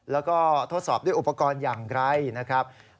แล้วก็ทดสอบด้วยอุปกรณ์อย่างไรนะครับ